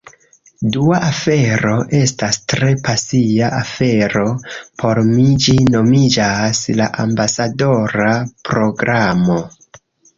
Dua afero, estas tre pasia afero por mi ĝi nomiĝas "La ambasadora programo"